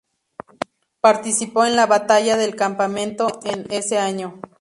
Participó en la Batalla del Campamento en ese año.